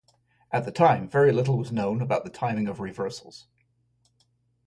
At the time, very little was known about the timing of reversals.